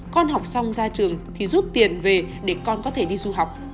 con học xong ra trường thì rút tiền về để con có thể đi du học